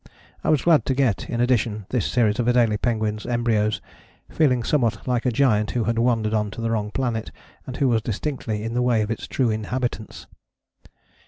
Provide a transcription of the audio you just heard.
I was glad to get, in addition, this series of Adélie penguins' embryos, feeling somewhat like a giant who had wandered on to the wrong planet, and who was distinctly in the way of its true inhabitants.